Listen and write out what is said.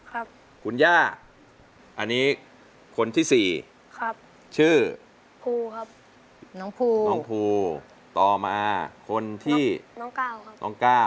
และก็คุณย่าและวันนี้พิเศษมีคุณครูนะครับมาด้วยอีก๒ท่านเดียวไปพูดคุยกัน